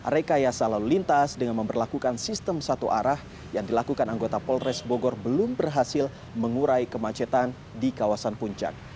rekayasa lalu lintas dengan memperlakukan sistem satu arah yang dilakukan anggota polres bogor belum berhasil mengurai kemacetan di kawasan puncak